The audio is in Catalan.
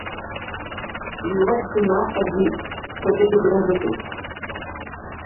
Li ho vaig donar a Jeeves perquè t'ho donés a tu.